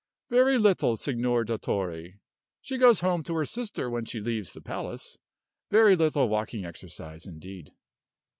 "Very little, Signor Dottore. She goes home to her sister when she leaves the palace. Very little walking exercise, indeed."